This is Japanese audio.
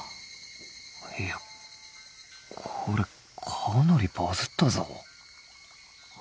いやこれかなりバズったぞ。